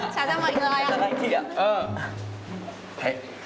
chào tất cả mọi người